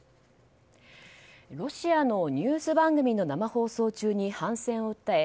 ロシアのニュース番組の生放送中に反戦を訴え